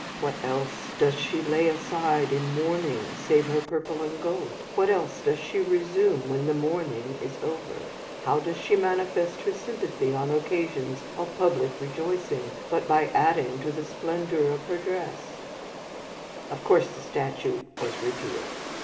What else does she lay aside in mourning save her purple and gold? What else does she resume when the mourning is over? How does she manifest her sympathy on occasions of public rejoicing, but by adding to the splendour of her dress?" [Footnote 1: Livy.] Of course the statute was repealed.